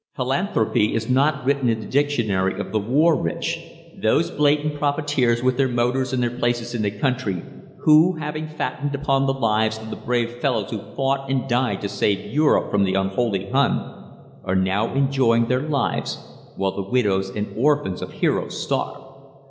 Philanthropy is not written in the dictionary of the war rich those blatant profiteers with their motors and their places in the country, who, having fattened upon the lives of the brave fellows who fought and died to save Europe from the unholy Hun, are now enjoying their lives, while the widows and orphans of heroes starve."